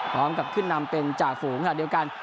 พร้อมกับขึ้นนำเป็นจ่าฝูงขนาดเดียวกัน